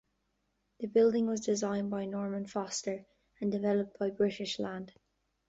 The building was designed by Norman Foster and developed by British Land.